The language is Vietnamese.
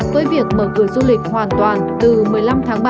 với việc mở cửa du lịch hoàn toàn từ một mươi năm tháng ba